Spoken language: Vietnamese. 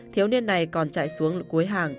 thiếu niên này còn chạy xuống cuối hàng